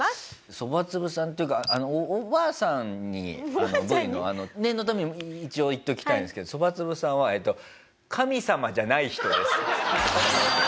そばつぶさんっていうかあのおばあさんにＶのあの念のために一応言っておきたいんですけどそばつぶさんは神様じゃない人です。